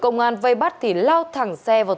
công an vây bắt thì lao thẳng xe vào